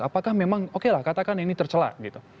apakah memang okelah katakan ini tercela gitu